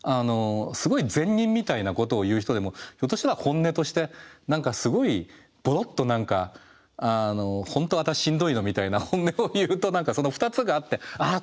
すごい善人みたいなことを言う人でもひょっとしたら本音として何かすごいボロッと何か「本当私しんどいの」みたいな本音を言うとその２つがあってあっ